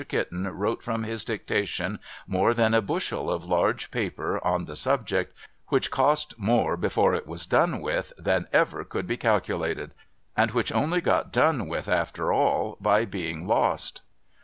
Kitten wrote from his dictation more than a bushel of large paper on the subject, which cost more before it was done with, than ever could be calculated, and which only got done with after all, by being lost.